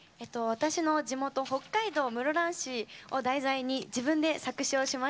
私の地元北海道室蘭市を題材に自分で作詞をしました。